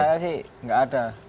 tapi masih nggak ada